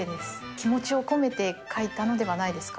気持ちを込めて書いたのではないですか？